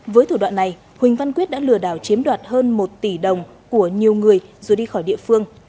với thủ đoạn này huỳnh văn quyết đã lừa đảo chiếm đoạt hơn một tỷ đồng của nhiều người rồi đi khỏi địa phương